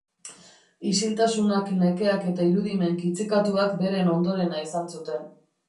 Isiltasunak, nekeak eta irudimen kitzikatuak beren ondorena izan zuten.